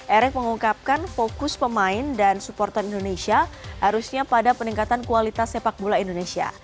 erick mengungkapkan fokus pemain dan supporter indonesia harusnya pada peningkatan kualitas sepak bola indonesia